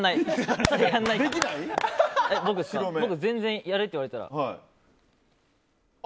僕、全然やれと言われたら。